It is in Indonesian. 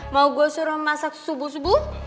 mau gue suruh masak subuh subuh